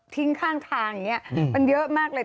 ถึงข้างทางเนี่ยมันเยอะมากเลย